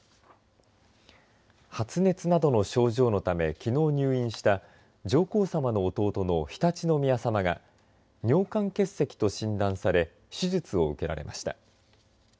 発熱などの症状のためきのう入院した上皇さまの弟の常陸宮さまが尿管結石と診断され手術を受けられました。